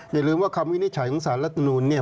อย่าลืมว่าคำวินิจฉัยของสารรัฐมนูลเนี่ย